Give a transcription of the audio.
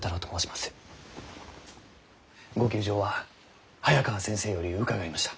ご窮状は早川先生より伺いました。